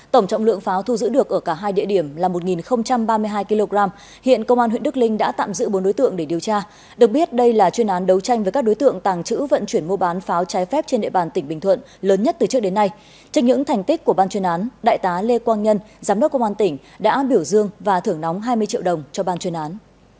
tổng trọng lượng pháo thu giữ được ở cả hai địa điểm là một ba mươi hai kg hiện công an huyện đức linh đã tạm giữ bốn đối tượng để điều tra được biết đây là chuyên án đấu tranh với các đối tượng tàng trữ vận chuyển mua bán pháo trái phép trên địa bàn tỉnh bình thuận lớn nhất từ trước đến nay trên những thành tích của ban chuyên án đại tá lê quang nhân giám đốc công an tỉnh đã biểu dương và thưởng nóng hai mươi triệu đồng cho ban chuyên án